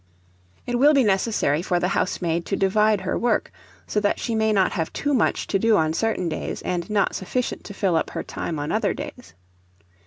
It will be necessary for the housemaid to divide her work, so that she may not have too much to do on certain days, and not sufficient to fill up her time on other days.